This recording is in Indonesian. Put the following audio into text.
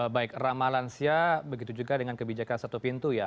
baik ramah lansia begitu juga dengan kebijakan satu pintu ya